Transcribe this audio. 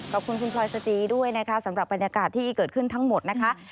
ขอบคุณคุณพลอยสจีด้วยนะคะสำหรับบรรยากาศที่เกิดขึ้นทั้งหมดนะคะ